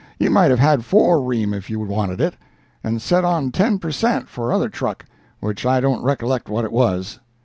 You might have had four ream, if you'd wanted it. And set on ten per cent. for other truck, which I don't recollect what it was."